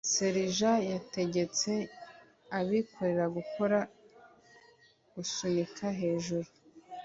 serija yategetse abikorera gukora gusunika hejuru.